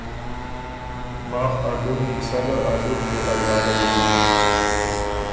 ماخ ا ډُمی سَۀ ګه ا زُت بې اولاده یېن